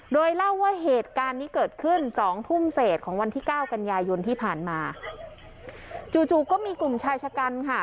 โดยเล่าว่าเหตุการณ์นี้เกิดขึ้นสองทุ่มเศษของวันที่เก้ากันยายนที่ผ่านมาจู่จู่ก็มีกลุ่มชายชะกันค่ะ